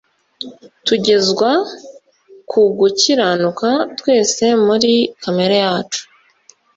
Tugezwa ku gukiranuka, twese muri kamere yacu